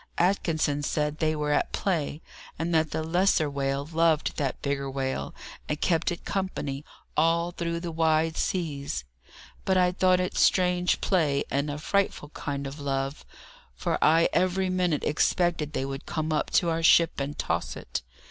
Atkinson said they were at play, and that the lesser whale loved that bigger whale, and kept it company all through the wide seas; but I thought it strange play and a frightful kind of love, for I every minute expected they would come up to our ship and toss it.